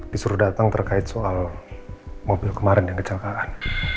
disuruh datang terkait soal mobil kemarin yang kecelakaan